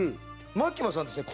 マキマさんですね